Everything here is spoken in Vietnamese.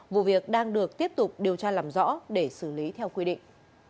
vụ việc đang được tiếp tục điều tra làm rõ để xử lý theo quy định